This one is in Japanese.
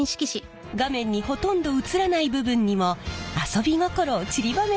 画面にほとんど映らない部分にも遊び心をちりばめています。